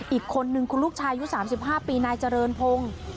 อีกคนนึงคุณลูกชายอายุ๓๕ปีณจริงโพง